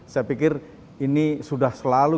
saya pikir ini sudah selalu